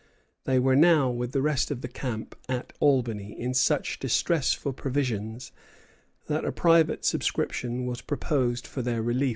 They were now with the rest in the camp at Albany, in such distress for provisions that a private subscription was proposed for their relief.